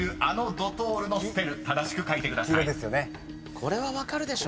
これは分かるでしょ。